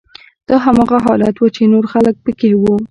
دا هماغه حالت و چې نور خلک پکې وو